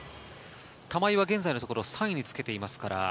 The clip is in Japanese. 玉井は現在のところ３位につけていますから。